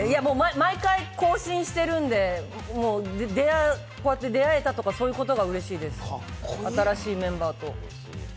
毎回更新しているんで、こうやって出会えたことが嬉しいです、新しいメンバーと。